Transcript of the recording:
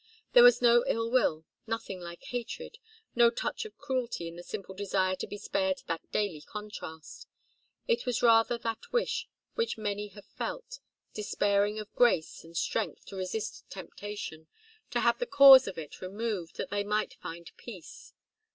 There was no ill will, nothing like hatred, no touch of cruelty in the simple desire to be spared that daily contrast. It was rather that wish which many have felt, despairing of grace and strength to resist temptation, to have the cause of it removed, that they may find peace.